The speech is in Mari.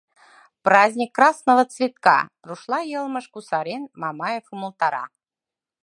— Праздник Красного цветка! — рушла йылмыш кусарен, Мамаев умылтара.